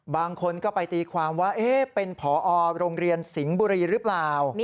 บางคนก็ไปตีความว่าเป็นผอโรงเรียนสิงห์บุรีหรือเปล่า